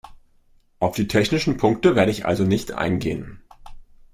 Auf die technischen Punkte werde ich also nicht eingehen.